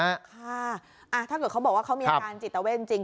ค่ะถ้าเกิดเขาบอกว่าเขามีอาการจิตเตอร์เว่นจริง